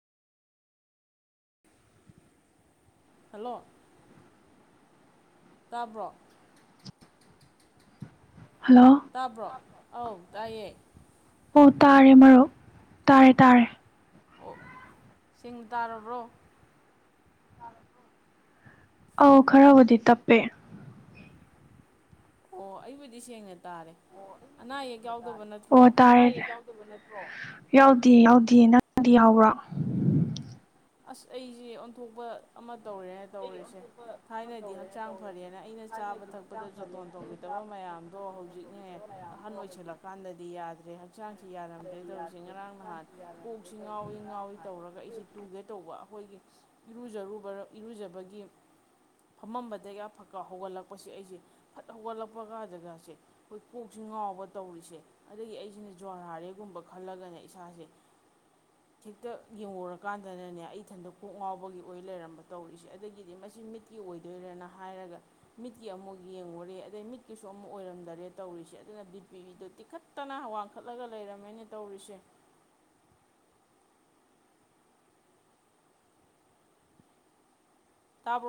hello ꯇꯥꯕ꯭ꯔꯣ hello ꯇꯥꯕ꯭ꯔꯣ ꯑꯧ ꯇꯑꯌꯦ ꯑꯣ ꯇꯥꯔꯦ ꯃꯔꯨꯞ ꯇꯥꯔꯦ ꯇꯥꯔꯦ ꯑꯣ ꯁꯤꯡ ꯇꯥꯔꯕ꯭ꯔꯣ ꯑꯧ ꯈꯔꯕꯨꯗꯤ ꯇꯞꯄꯦ ꯑꯣ ꯑꯩꯕꯨꯗꯤ ꯁꯦꯡꯅ ꯇꯥꯔꯦ ꯑꯅꯥ ꯑꯌꯦꯛ ꯌꯥꯎꯗꯕ ꯑꯣ ꯅꯠꯇ꯭ꯔꯣ ꯇꯥꯔꯦ ꯌꯥꯎꯗꯦꯌꯦ ꯌꯥꯎꯗꯦꯌꯦ ꯅꯪꯗꯤ ꯌꯥꯎꯕ꯭ꯔꯥ ꯑꯁ ꯑꯩꯁꯦ ꯑꯣꯟꯊꯣꯛꯄ ꯑꯃ ꯇꯧꯔꯦ ꯇꯧꯔꯤꯁꯦ ꯊꯥꯏꯅꯗꯤ ꯍꯛꯆꯥꯡ ꯐꯔꯦꯅ ꯑꯩꯅ ꯆꯥꯕ ꯊꯛꯄꯗ ꯖꯇꯣꯟ ꯇꯧꯕꯤꯔ ꯇꯕ ꯃꯌꯥꯝꯗꯣ ꯍꯧꯖꯤꯛꯅꯦ ꯑꯍꯟ ꯑꯣꯏꯁꯜꯂꯀꯥꯟꯗꯗꯤ ꯌꯥꯗ꯭ꯔꯦ ꯍꯛꯆꯥꯡꯁꯤ ꯌꯥꯔꯝꯗ꯭ꯔꯦ ꯇꯧꯔꯤꯁꯦ ꯉꯔꯥꯡ ꯅꯍꯥꯟ ꯀꯣꯛꯁꯤ ꯉꯥꯎꯏꯤ ꯉꯥꯎꯋꯤ ꯇꯧꯔꯒ ꯑꯩꯁꯤꯦ ꯇꯨ ꯩ ꯇꯧꯕ ꯑꯩꯈꯣꯏꯒꯤ ꯏꯔꯨꯖꯔꯨꯕ ꯏꯔꯨꯖꯕꯒꯤ ꯐꯃꯝꯕꯗꯒꯤꯒ ꯐꯛꯀ ꯍꯧꯒꯠꯂꯛꯄꯁꯦ ꯑꯩꯁꯦ ꯐꯠ ꯍꯧꯒꯠꯂꯛꯄꯒꯗꯖꯒꯁꯦ ꯑꯩꯈꯣꯏ ꯀꯣꯛꯁꯤ ꯉꯥꯎꯕ ꯇꯧꯔꯤꯁꯦ ꯑꯗꯒꯤ ꯑꯩꯁꯤꯅ ꯖꯔꯍꯥꯔꯦꯒꯨꯝꯕ ꯈꯜꯂꯒꯅꯦ ꯏꯁꯥꯁꯦ ꯍꯦꯛꯇ ꯌꯦꯡꯧꯔ ꯀꯥꯟꯗꯅꯅꯦ ꯑꯩ ꯏꯊꯟꯗꯛ ꯀꯣꯛ ꯉꯥꯎꯕꯒꯤ ꯑꯣꯏ ꯂꯩꯔꯝꯕ ꯇꯧꯔꯤꯁꯦ ꯑꯗꯒꯤꯗꯤ ꯃꯁꯤ ꯃꯤꯠꯀꯤ ꯑꯣꯏꯗꯣꯏꯔꯦꯅ ꯍꯥꯏꯔꯒ ꯃꯤꯠꯀꯤ ꯑꯃꯨꯛ ꯌꯦꯡꯉꯨꯔꯦ ꯑꯗꯩ ꯃꯤꯠꯀꯤꯁꯨ ꯑꯃꯨꯛ ꯑꯣꯏꯔꯝꯗꯔꯦ ꯇꯧꯔꯤꯁꯦ ꯑꯗꯨꯅ ꯕꯤ ꯄꯤꯕꯤꯗꯨ ꯇꯤꯈꯠ ꯈꯠꯇꯅ ꯋꯥꯡꯈꯠꯂꯒ ꯂꯩꯔꯝꯃꯦꯅ ꯇꯧꯔꯤꯁꯦ ꯇꯥꯕꯨ